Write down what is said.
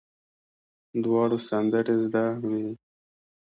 دواړو سندرې زده وې.